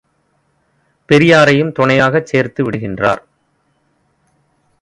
பெரியாரையும் துணையாகச் சேர்த்து விடுகின்றார்!